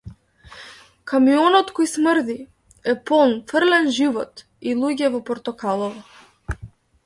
Камионот кој смрди е полн фрлен живот и луѓе во портокалово.